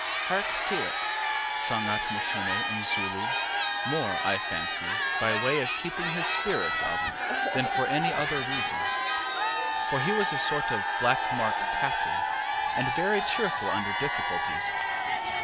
ŌĆ£ŌĆśHark to it! ŌĆÖ sung out Mashune in Zulu, more, I fancy, by way of keeping his spirits up than for any other reason for he was a sort of black Mark Tapley, and very cheerful under difficulties.